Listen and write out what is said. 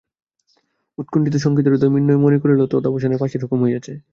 উৎকণ্ঠিত শঙ্কিতহৃদয় মৃন্ময়ী মনে করিল তাহার যাবজ্জীবন কারাদণ্ড এবং তদবসানে ফাঁসির হুকুম হইয়াছে।